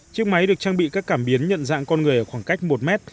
chiếc máy được trang bị các cảm biến nhận dạng con người ở khoảng cách một mét